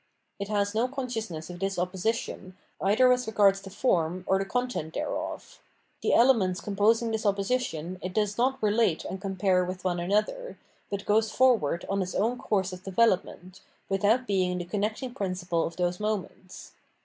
It has no consciousness of this opposition either as regards the form or the content thereof ; the elements 621 The Moral Yiew of the World composing this opposition it does not relate and compare with one another, but goes forward on its own course of development, without being the connecting principle of those moments.